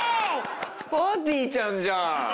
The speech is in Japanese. ぱーてぃーちゃんじゃん！